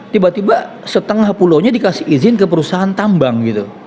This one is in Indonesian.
tiba tiba setengah pulaunya dikasih izin ke perusahaan tambang gitu